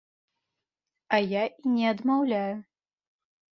А я і не адмаўляю.